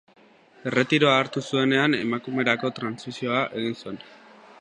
Erretiroa hartu zuenean emakumerako trantsizioa egin zuen.